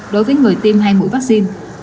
đối với người tiêm hai mũi vaccine